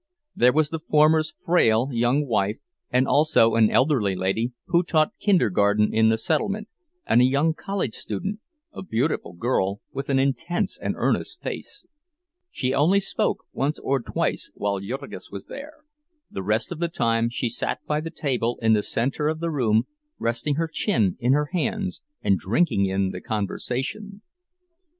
There was the former's frail young wife, and also an elderly lady, who taught kindergarten in the settlement, and a young college student, a beautiful girl with an intense and earnest face. She only spoke once or twice while Jurgis was there—the rest of the time she sat by the table in the center of the room, resting her chin in her hands and drinking in the conversation.